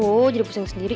aduh jadi pusing sendiri